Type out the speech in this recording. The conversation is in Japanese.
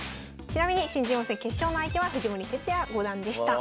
ちなみに新人王戦決勝の相手は藤森哲也五段でした。